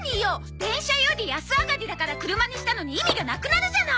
電車より安上がりだから車にしたのに意味がなくなるじゃない！